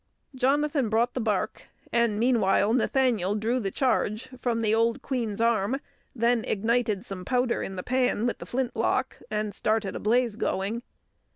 Jonathan brought the bark, and meanwhile Nathaniel drew the charge from the old "Queen's arm," then ignited some powder in the pan with the flintlock, and started a blaze going.